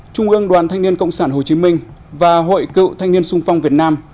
trung ương đoàn thanh niên cộng sản hồ chí minh và hội cựu thanh niên sung phong việt nam